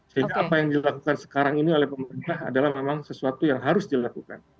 sehingga apa yang dilakukan sekarang ini oleh pemerintah adalah memang sesuatu yang harus dilakukan